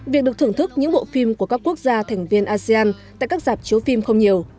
việc được thưởng thức những bộ phim của các quốc gia thành viên asean tại các dạp chiếu phim không nhiều